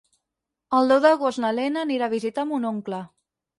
El deu d'agost na Lena anirà a visitar mon oncle.